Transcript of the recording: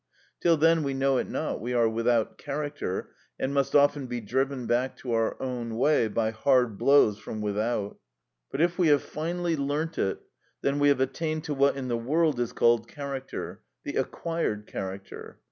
Till then we know it not, we are without character, and must often be driven back to our own way by hard blows from without. But if we have finally learnt it, then we have attained to what in the world is called character, the acquired character.